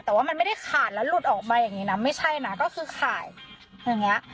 แต่ว่ามันไม่ได้ขาดแล้วหลุดออกมาอย่างนี้นะไม่ใช่นะก็คือขาดอย่างนี้